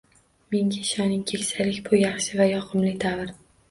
Menga ishoning, keksalik bu yaxshi va yoqimli davr.